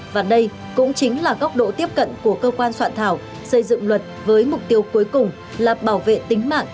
và đây cũng chính là góc độ tiếp cận của cơ quan soạn thảo xây dựng luật với mục tiêu cuối cùng là bảo vệ tính mạng